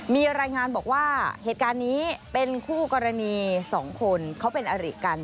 มีรายงานบอกว่าเหตุการณ์นี้เป็นคู่กรณี๒คนเขาเป็นอริกัน